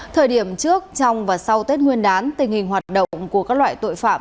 thời điểm trước trong và sau tết nguyên đán tình hình hoạt động của các loại tội phạm